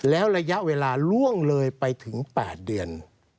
แล้วระยะเวลาล่วงเลยไปถึง๘เดือน